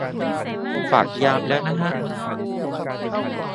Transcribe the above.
ฝากยามแล้วนะฮะ